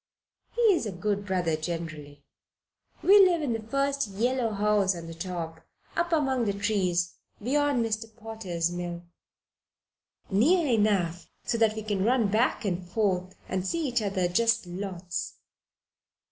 He is a good brother generally. We live in the first yellow house on the right up among the trees beyond Mr. Potter's mill near enough so that we can run back and forth and see each other just lots."